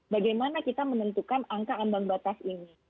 bagaimana kita menentukan angka ambang batas ini